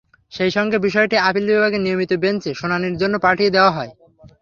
সেই সঙ্গে বিষয়টি আপিল বিভাগের নিয়মিত বেঞ্চে শুনানির জন্য পাঠিয়ে দেওয়া হয়।